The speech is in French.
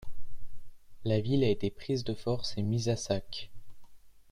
La ville a été prise de force et mise à sac.